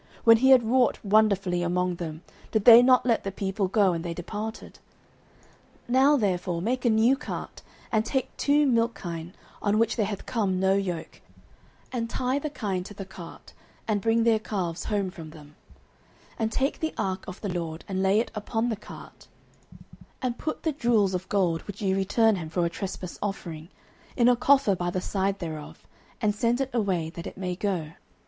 when he had wrought wonderfully among them, did they not let the people go, and they departed? 09:006:007 Now therefore make a new cart, and take two milch kine, on which there hath come no yoke, and tie the kine to the cart, and bring their calves home from them: 09:006:008 And take the ark of the LORD, and lay it upon the cart; and put the jewels of gold, which ye return him for a trespass offering, in a coffer by the side thereof; and send it away, that it may go.